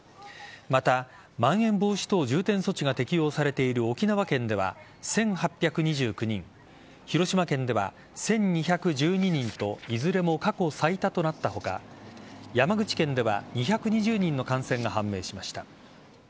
またまん延防止等重点措置が適用されている沖縄県では１８２９人広島県では１２１２人といずれも過去最多となった他山口県では２２０人の感染が判明しました。